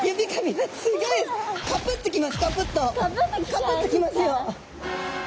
カプッときますよ。